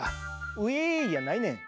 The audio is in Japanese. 『うえい』やないねん！